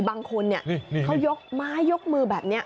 บางคนเขายกไม้ยกมือแบบนี้